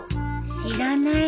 知らないよ。